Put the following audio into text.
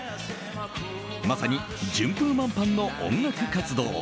まさに順風満帆の音楽活動。